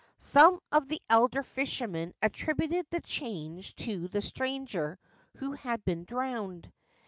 Some of the elder fishermen attributed the change to the stranger who had been drowned.